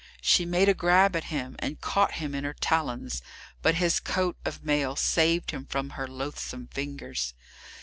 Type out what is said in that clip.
She made a grab at him, and caught him in her talons, but his coat of mail saved him from her loathsome fingers.